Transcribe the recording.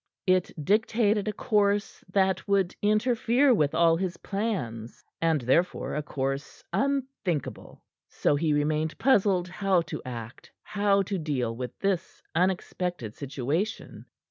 It dictated a course that would interfere with all his plans, and therefore a course unthinkable. So he remained puzzled how to act, how to deal with this unexpected situation.